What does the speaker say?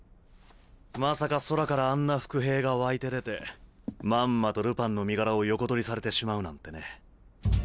まさか空からあんな伏兵が湧いて出てまんまとルパンの身柄を横取りされてしまうなんてね。